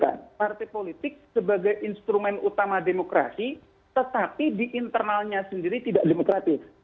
kita memiliki partai politik sebagai instrumen utama demokrasi tetapi diinternalnya sendiri tidak demokratis